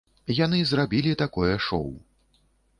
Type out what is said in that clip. Яны зрабілі такое шоў.